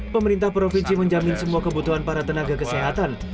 pemerintah provinsi menjamin semua kebutuhan para tenaga kesehatan